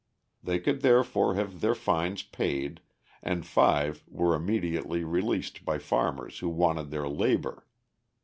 They could therefore have their fines paid, and five were immediately released by farmers who wanted their labour.